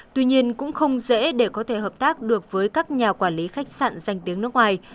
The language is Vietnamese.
tuy nhiên cũng không dễ để có thể hợp tác được với các nhà quản lý khách sạn danh tiếng nước ngoài